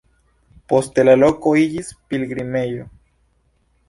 Poste la loko iĝis pilgrimejo.